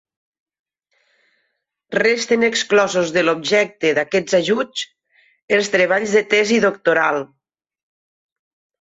Resten exclosos de l'objecte d'aquests ajuts els treballs de tesi doctoral.